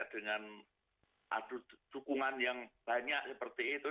dengan adu dukungan yang banyak seperti itu